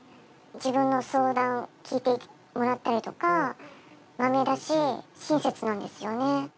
自分の相談を聞いてもらったりとか、まめだし、親切なんですよね。